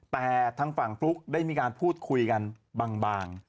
แต่ทางฝั่งฟลุ๊กได้มีการพูดคุยกันบาง